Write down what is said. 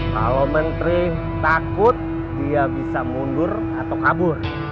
kalau menteri takut dia bisa mundur atau kabur